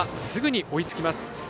すぐに追いつきます。